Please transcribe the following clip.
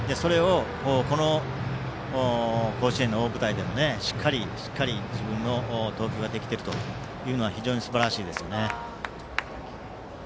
この甲子園の大舞台でもしっかり自分の投球ができているのが非常にすばらしいですね。